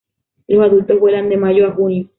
Los adultos vuelan de mayo a junio.